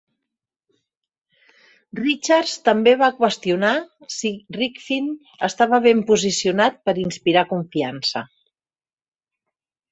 Richards també va qüestionar si Rifkind estava ben posicionat per inspirar confiança.